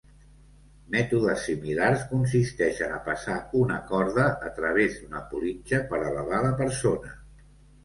Mètodes similars consisteixen a passar una corda a través d'una politja per elevar la persona.